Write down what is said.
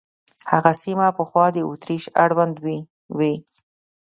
هغه سیمې پخوا د اتریش اړوند وې.